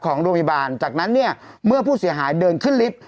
ของโรงพยาบาลจากนั้นเนี่ยเมื่อผู้เสียหายเดินขึ้นลิฟต์